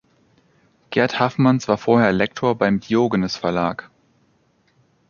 Gerd Haffmans war vorher Lektor beim Diogenes Verlag.